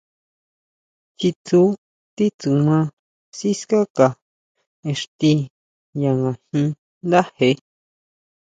Chitsú titsuma sikáka ixti ya jín ndáje.